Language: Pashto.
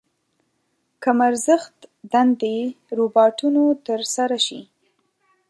کم ارزښت دندې روباټونو تر سره شي.